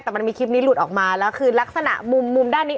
แต่มันมีคลิปนี้หลุดออกมาแล้วคือลักษณะมุมด้านนี้